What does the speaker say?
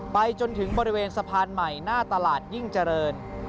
ไปจนถึงบริเวณสะพานใหม่หน้าตลาดยิ่งเจริญ